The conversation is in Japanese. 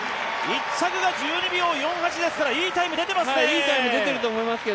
１着が１２秒４８ですからいいタイム出てますね。